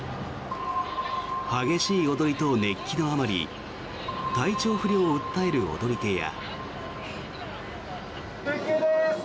激しい踊りと熱気のあまり体調不良を訴える踊り手や。